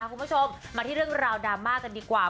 คุณผู้ชมมาที่เรื่องราวดราม่ากันดีกว่า